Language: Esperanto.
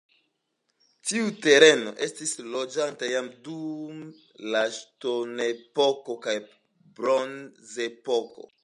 Tiu tereno estis loĝata jam dum la ŝtonepoko kaj bronzepoko.